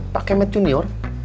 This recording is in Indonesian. pak kemet junior